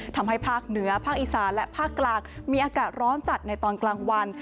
ทำให้ภาคเหนือภาคอีสานและภาคกลางมีอากาศร้อนจัดในตอนกลางวัน